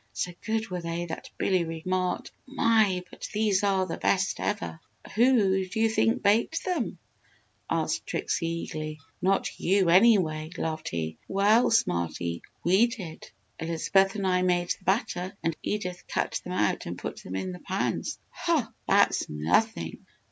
So good were they, that Billy remarked, "My! But these are the best ever!" "Who do you think baked them?" asked Trixie, eagerly. "Not you, anyway!" laughed he. "Well, Smarty, we did! Elizabeth and I made the batter and Edith cut them out and put them in the pans." "Hoh! That's nothing!